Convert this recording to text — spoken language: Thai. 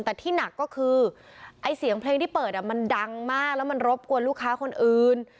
แต่ที่หนักก็คือไอ้เสียงเพลงที่เปิดมันดังมากแล้วมันรบกวนลูกค้าคนอื่น